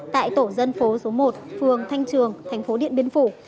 tại tổ dân phố số một phường thanh trường thành phố điện biên phủ